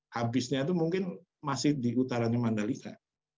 habisnya itu mungkin masih di utaranya mandalika